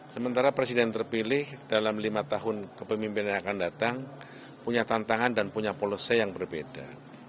sementara presiden terpilih dalam lima tahun kepemimpinan yang akan datang punya tantangan dan punya policy yang berbeda